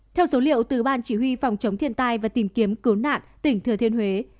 theo số liệu từ ban chỉ huy phòng chống thiên tai và tìm kiếm cứu nạn tỉnh thừa thiên huế